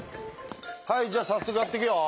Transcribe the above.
はいじゃあ早速やっていくよ。